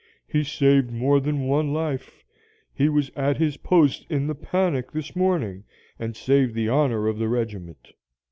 He saved more than one life. He was at his post in the panic this morning, and saved the honor of the regiment.'